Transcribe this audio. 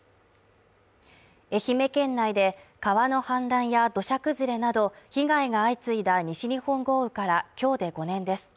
愛媛県内で川の氾濫や土砂崩れなど被害が相次いだ西日本豪雨から今日で５年です。